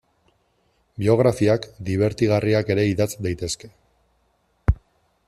Biografiak dibertigarriak ere idatz daitezke.